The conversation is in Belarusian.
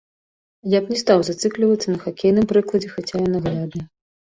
Я б не стаў зацыклівацца на хакейным прыкладзе, хаця ён наглядны.